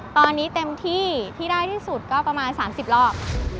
ตอนนี้เต็มที่ที่ได้ที่สุดก็ประมาณ๓๐รอบ